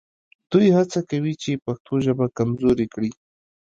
دوی هڅه کوي چې پښتو ژبه کمزورې کړي